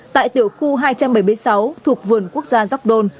tại tiểu khu hai trăm bảy mươi sáu thuộc vườn quốc gia jogdol